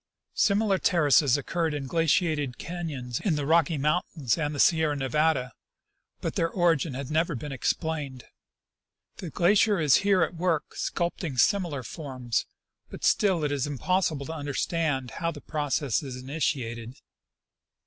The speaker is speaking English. Similar terraces occur in glaciated canons in the Rocky Mountains and VieiD from Pinnacle Pass. 183 the Sierra Nevada, but their origin lias never been explained. The glacier is here at work sculpturing similar forms ; but still it is impossible to understand how the process is initiated.